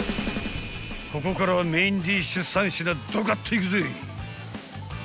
［ここからはメインディッシュ３品ドカッといくぜ！］